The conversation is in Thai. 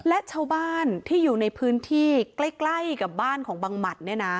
และชาวบ้านที่อยู่ในพื้นที่ใกล้กับบ้านของบังหมัดเนี่ยนะ